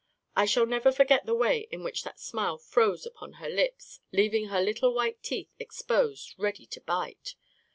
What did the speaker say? I shall never forget the way in which that smile froze upon her lips, leaving her little white teeth ex posed, ready to bite.